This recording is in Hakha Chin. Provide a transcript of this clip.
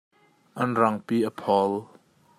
An rangpi a phol.